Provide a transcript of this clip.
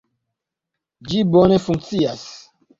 Ĝi bone funkcias.